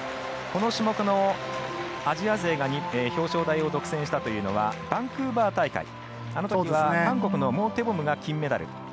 この種目のアジア勢が表彰台を独占したというのはバンクーバー大会あのときは韓国の選手が金メダル。